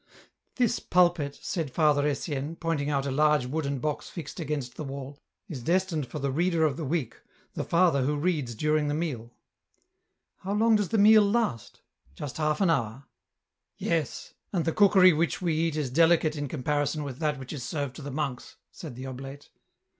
This pulpit," said Father Etienne, pointing out a large wooden box fixed against the wall, '* is destined for the reader of the week, the father who reads during the meal." " How long does the meal last ?"" Just half an hour." " Yes ; and the cookery which we eat is delicate in comparison with that which is served to the monks," said the oblate.